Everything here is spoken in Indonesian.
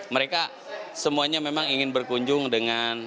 mereka semuanya memang ingin berkunjung dengan